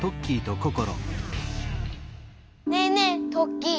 ねえねえトッキー。